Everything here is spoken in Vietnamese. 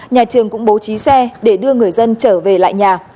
nhà trường cũng bố trí xe để đưa người dân trở về lại nhà